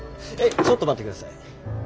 えちょっと待ってください。